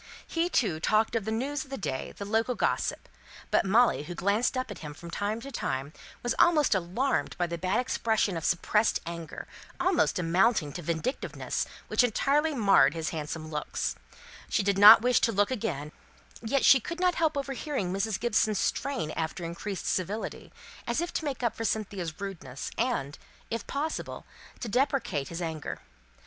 He, too, talked of the news of the day, the local gossip but Molly, who glanced up at him from time to time, was almost alarmed by the bad expression of suppressed anger, almost amounting to vindictiveness, which entirely marred his handsome looks. She did not wish to look again; and tried rather to back up Cynthia's efforts at maintaining a separate conversation. Yet she could not help overhearing Mrs. Gibson's strain after increased civility, as if to make up for Cynthia's rudeness, and, if possible, to deprecate his anger.